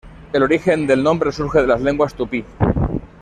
El origen del nombre surge de las lenguas tupí.